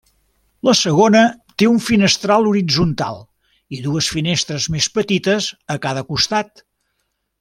La segona té un finestral horitzontal i dues finestres més petites a cada costat.